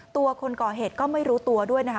ตัวคนก่อเหตุก็ไม่รู้ตัวด้วยนะคะ